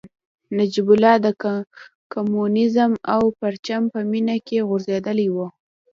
نجیب الله د کمونیزم او پرچم په مینه کې غولېدلی و